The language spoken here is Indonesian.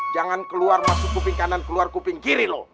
jangan keluar masuk kuping kanan keluar kuping kiri loh